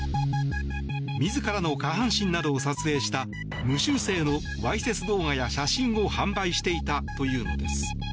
自らの下半身などを撮影した無修正のわいせつ動画や写真を販売していたというのです。